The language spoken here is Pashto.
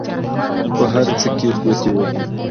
په هر څه کې ګوتې وهي.